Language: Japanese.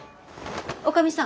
女将さん。